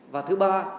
và thứ ba